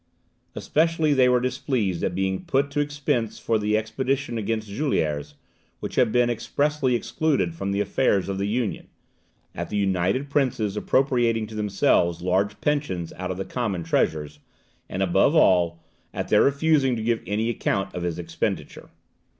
Especially were they displeased at being put to expense for the expedition against Juliers, which had been expressly excluded from the affairs of the Union at the united princes appropriating to themselves large pensions out of the common treasure and, above all, at their refusing to give any account of its expenditure.